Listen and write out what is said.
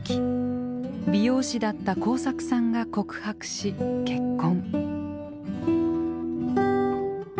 美容師だった耕作さんが告白し結婚。